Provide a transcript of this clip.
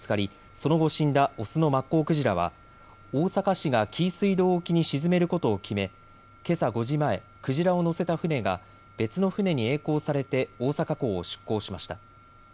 その後、死んだオスのマッコウクジラは大阪市が紀伊水道沖に沈めることを決め、けさ５時前、クジラを載せた船が別の船にえい航されて大阪港を出港しました。